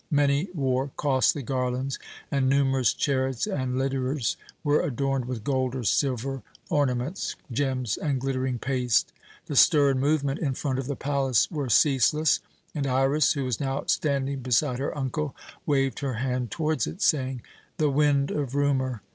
Many wore costly garlands, and numerous chariots and litters were adorned with gold or silver ornaments, gems, and glittering paste. The stir and movement in front of the palace were ceaseless, and Iras, who was now standing beside her uncle, waved her hand towards it, saying: "The wind of rumour!